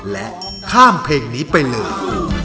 และข้ามเพลงนี้ไปเลย